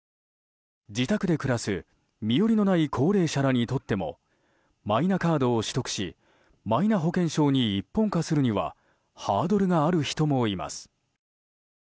自宅で暮らす、身寄りのない高齢者らにとってもマイナカードを取得しマイナ保険証に一本化するにはハードルがある人もいます。